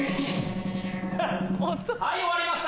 はい終わりました